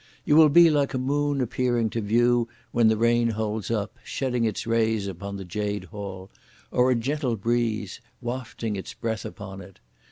You will be like a moon appearing to view when the rain holds up, shedding its rays upon the Jade Hall; or a gentle breeze (wafting its breath upon it).